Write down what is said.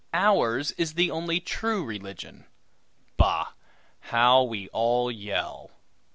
Ours is the only true religion. Bah! how we all yell!